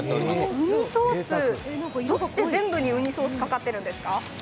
どうして全部にウニソースがかかってるんですか？